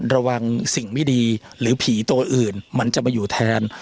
ระวังสิ่งไม่ดีหรือผีตัวอื่นมันจะมาอยู่แทน